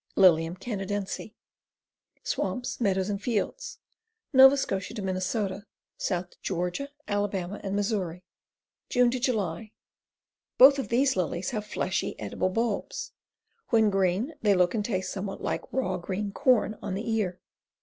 Lilium Canadense. Swamps, meadows and fields. Nova Scotia to Minn., south to Ga., Ala., Mo. June July. Both of these lilies have fleshy, edible bulbs. When green they look and taste somewhat like raw green corn on the ear.